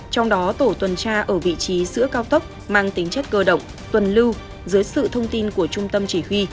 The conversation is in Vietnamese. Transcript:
trong đó tổ tuần tra ở vị trí giữa cao tốc mang tính chất cơ động tuần lưu dưới sự thông tin của trung tâm chỉ huy